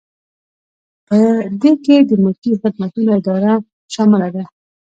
په دې کې د ملکي خدمتونو اداره شامله ده.